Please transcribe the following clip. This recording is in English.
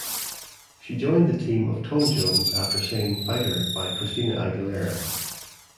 She joined the team of Tom Jones after singing Fighter by Christina Aguilera.